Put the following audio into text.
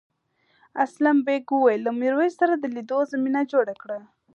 اسلم بېگ وویل له میرويس سره د لیدو زمینه جوړه کړه.